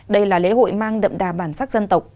đây là lễ hội mang đậm đà bản sắc dân tộc